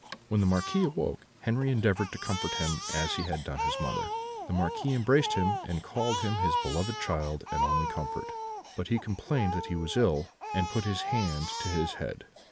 "When the Marquis awoke, Henri endeavoured to comfort him, as he had done his mother; the Marquis embraced him, and called him his beloved child and only comfort, but he complained that he was ill, and put his hand to his head.